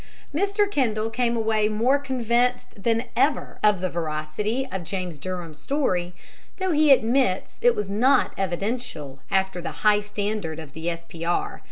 Mr. Kendal came away more convinced than ever of the veracity of James Durham's story, though he admits it was not evidential after the high standard of the S.P.R.